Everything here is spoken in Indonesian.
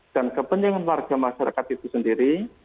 dan kepentingan warga masyarakat itu sendiri